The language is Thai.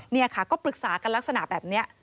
นี่ค่ะก็ปรึกษากันลักษณะแบบนี้